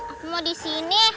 aku mau di sini